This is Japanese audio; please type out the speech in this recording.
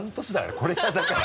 これからだから。